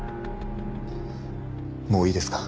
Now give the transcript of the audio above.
もういいですか？